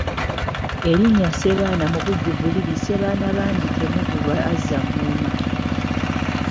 Erinnya Ssebaana mu bujjuvu liri Ssebaana bangi temubulwa azza ngoma.